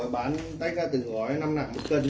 bán tất cả từng gói năm lạng một cân